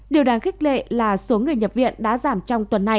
điều đáng khích lệ là số người nhập viện đã giảm trong tuần này